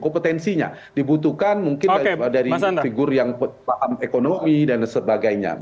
kompetensinya dibutuhkan mungkin dari figur yang paham ekonomi dan sebagainya